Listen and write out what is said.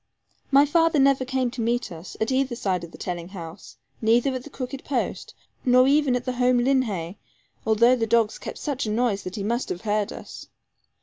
My father never came to meet us, at either side of the telling house, neither at the crooked post, nor even at home linhay although the dogs kept such a noise that he must have heard us.